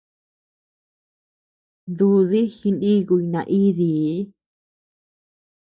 Dudi jiníkuy naídii.